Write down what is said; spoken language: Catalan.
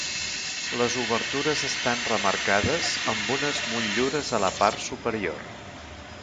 Les obertures estan remarcades amb unes motllures a la part superior.